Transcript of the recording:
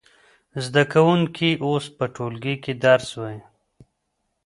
زده کوونکي اوس په ټولګي کې درس وايي.